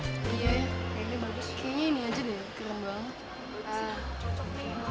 kayaknya ini aja deh keren banget